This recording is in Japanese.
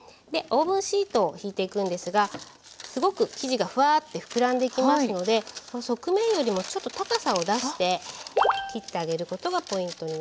オーブンシートをひいていくんですがすごく生地がフワッて膨らんでいきますので側面よりもちょっと高さを出して切ってあげることがポイントになります。